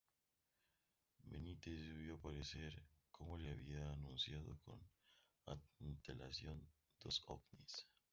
Benítez vio aparecer, como se le había anunciado con antelación, dos ovnis.